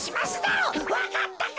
わかったか！